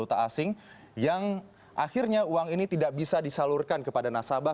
asing yang akhirnya uang ini tidak bisa disalurkan kepada nasabah